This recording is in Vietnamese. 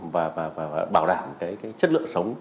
và bảo đảm chất lượng sống